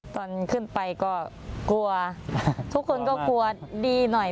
ตอนขึ้นไปก็กลัวทุกคนก็กลัวดีหน่อย